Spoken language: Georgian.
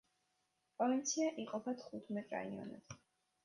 პროვინცია იყოფა თხუთმეტ რაიონად.